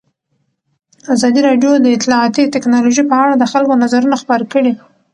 ازادي راډیو د اطلاعاتی تکنالوژي په اړه د خلکو نظرونه خپاره کړي.